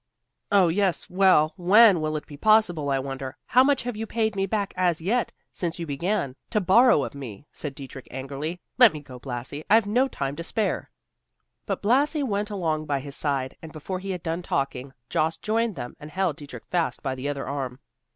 "Oh yes, well, when will it be possible, I wonder. How much have you paid me back, as yet, since you began to borrow of me?" said Dietrich angrily. "Let me go, Blasi, I've no time to spare." But Blasi went along by his side, and before he had done talking, Jost joined them and held Dietrich fast by the other arm.